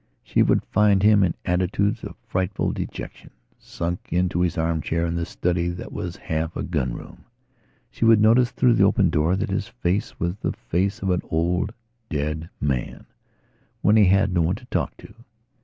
She would find him in attitudes of frightful dejection, sunk into his armchair in the study that was half a gun room. She would notice through the open door that his face was the face of an old, dead man, when he had no one to talk to.